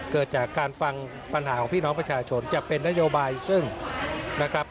เกิดจากการฟังปัญหาของพี่น้องประชาชนจะเป็นนโยบายซึ่งนะครับ